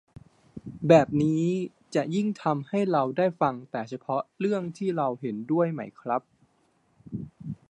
แบบนี้จะยิ่งทำให้เราได้ฟังแต่เฉพาะเรื่องที่เราเห็นด้วยไหมครับ